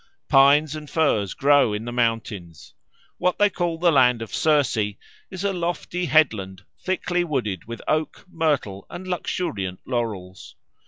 Pines and firs grow in the mountains. What they call the land of Circe is a lofty headland thickly wooded with oak, myrtle, and luxuriant laurels.